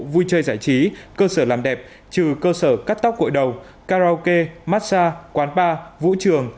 vui chơi giải trí cơ sở làm đẹp trừ cơ sở cắt tóc gội đầu karaoke massage quán bar vũ trường